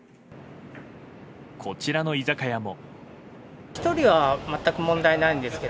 こちらの居酒屋も。